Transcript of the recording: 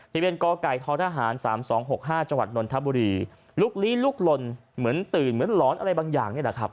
พิเวณกไก่ททห๓๒๖๕จนธบุรีลุกลี้ลุกลนเหมือนตื่นเหมือนร้อนอะไรบางอย่าง